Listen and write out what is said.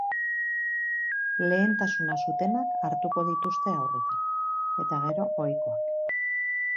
Lehentasuna zutenak hartuko dituzte aurretik, eta gero ohikoak.